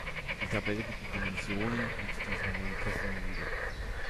Die Tabelle gibt die Dimensionen mit diesen neuen Kesseln wieder.